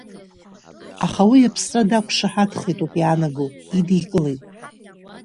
Аха уи аԥсра дақәшаҳаҭхеит ауп иаанаго, идикылеит.